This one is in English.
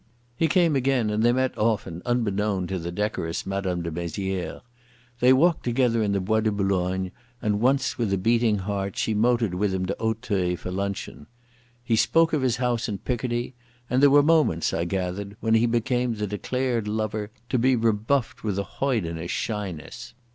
He came again, and they met often, unbeknown to the decorous Madame de Mezières. They walked together in the Bois de Boulogne, and once, with a beating heart, she motored with him to Auteuil for luncheon. He spoke of his house in Picardy, and there were moments, I gathered, when he became the declared lover, to be rebuffed with a hoydenish shyness.